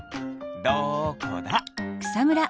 どこだ？